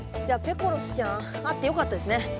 じゃあペコロスちゃんあってよかったですね。